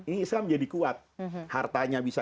ini islam jadi kuat hartanya bisa